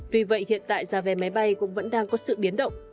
tuy vậy hiện tại giá vé máy bay cũng vẫn đang có sự biến động